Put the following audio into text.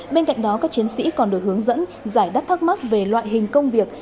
bên cạnh đó các chiến sĩ còn được hướng dẫn giải đáp thắc mắc về loại hình công việc